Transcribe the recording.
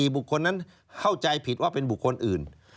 บุคคลนั้นเข้าใจผิดว่าเป็นบุคคลอื่น